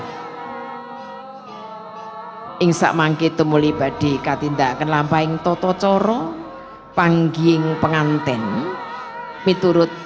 hai ingsa mangkit tumuli badi katinda akan lampain toto coro panging penganten miturut